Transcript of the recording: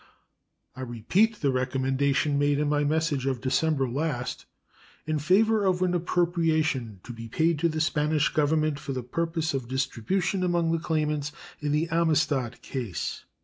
I repeat the recommendation made in my message of December last in favor of an appropriation "to be paid to the Spanish Government for the purpose of distribution among the claimants in the Amistad case."